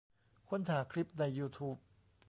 ค้นหาคลิปในยูทูบ